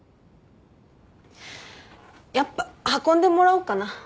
やっぱ運んでもらおうかな。